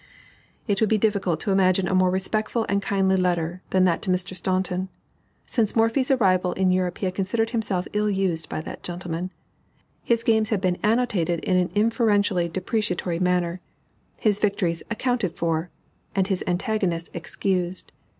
It would be difficult to imagine a more respectful and kindly letter than that to Mr. Staunton. Since Morphy's arrival in Europe he had considered himself ill used by that gentleman. His games had been annotated in an inferentially depreciatory manner, his victories accounted for, and his antagonists excused.